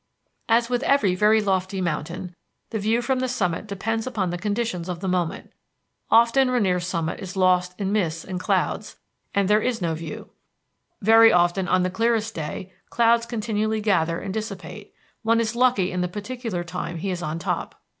As with every very lofty mountain the view from the summit depends upon the conditions of the moment. Often Rainier's summit is lost in mists and clouds, and there is no view. Very often on the clearest day clouds continually gather and dissipate; one is lucky in the particular time he is on top.